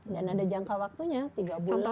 dan ada jangka waktunya tiga bulan